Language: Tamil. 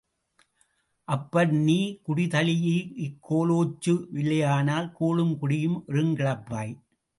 அப்படி நீ குடிதழீஇக் கோலோச்ச வில்லையானால், கூழும் குடியும் ஒருங்கிழப்பாய்!